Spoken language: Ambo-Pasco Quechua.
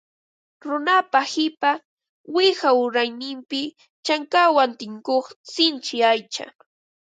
Runapa qipa wiqaw urayninpi chankawan tinkuq sinchi aycha